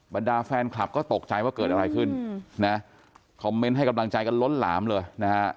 บรรดาแฟนคลับก็ตกใจว่าเกิดอะไรขึ้นนะคอมเมนต์ให้กำลังใจกันล้นหลามเลยนะฮะ